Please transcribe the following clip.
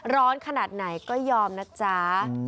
ร้อนขนาดไหนก็ยอมนะจ๊ะ